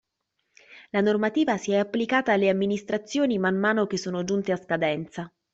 La normativa si è applicata alle amministrazioni man mano che sono giunte a scadenza.